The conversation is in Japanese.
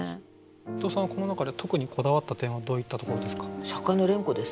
伊藤さんはこの中で特にこだわった点はどういったところですか？